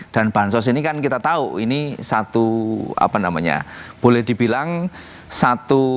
dan bansos ini kan kita tahu ini satu apa namanya boleh dibilang satu